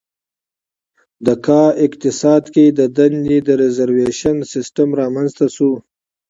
د کا اقتصاد کې د دندې د ریزروېشن سیستم رامنځته شو.